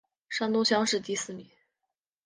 山东乡试第四名。